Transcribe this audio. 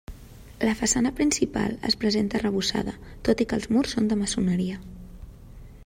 La façana principal es presenta arrebossada tot i que els murs són de maçoneria.